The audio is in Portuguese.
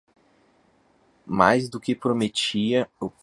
Mais do que prometia a força humana